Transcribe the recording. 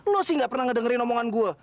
lo sih gak pernah ngedengerin omongan gue